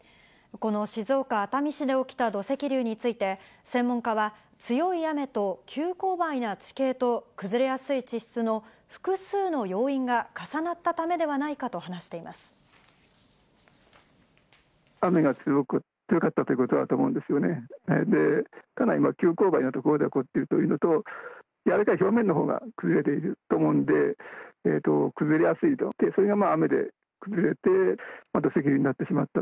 この静岡・熱海市で起きた土石流について、専門家は、強い雨と急こう配な地形と崩れやすい地質の、複数の要因が重なったためではないかと話しています。